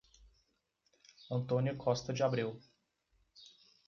Antônia Costa de Abreu